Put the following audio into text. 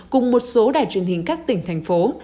cùng một số đài truyền hình các tỉnh thành phố